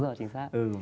đúng rồi chính xác